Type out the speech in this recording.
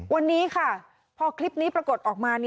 วันนี้ค่ะพอคลิปนี้ปรากฏออกมา